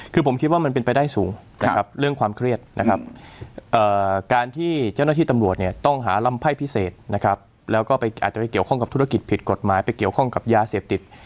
คือผมคิดว่ามันเป็นไปได้สูงนะครับเรื่องความเครียดนะครับการที่เจ้าหน้าที่ตำรวจเนี่ยต้องหาลำไพ่พิเศษนะครับแล้วก็อาจจะไปเกี่ยวข้องกับธุรกิจผิดกฎหมายไปเกี่ยวข้องกับยาเสพติด